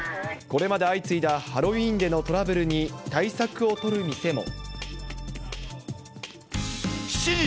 これまで相次いだハロウィーンでのトラブルに、対策を取る店も。